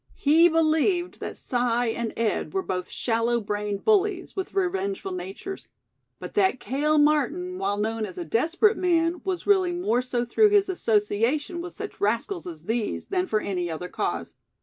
He believed that Si and Ed were both shallow brained bullies, with revengeful natures; but that Cale Martin, while known as a desperate man, was really more so through his association with such rascals as these, than for any other cause.